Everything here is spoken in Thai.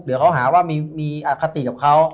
เดี๋ยวเขาหาว่ามีอคติกับเขา